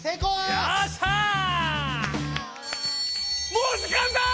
もう時間だ！